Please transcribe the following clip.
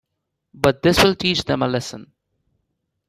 But this'll teach them a lesson.